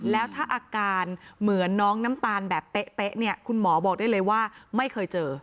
แล้วถ้าอาการเหมือนน้องน้ำตาลแบบเป๊ะเนี่ยคุณหมอบอกได้เลยว่าไม่เคยเจอ